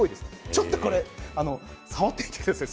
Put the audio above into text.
ちょっと触ってみてください。